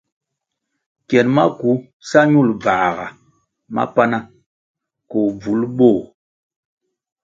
Kien maku sa ñul bvãhga mapana koh bvúl bőh.